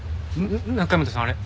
中山田さんあれ。